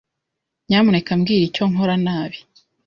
Nyamuneka mbwira icyo nkora nabi.